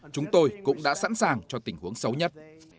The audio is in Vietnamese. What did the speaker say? chúng tôi cũng đã sẵn sàng cho tình huống xấu nhất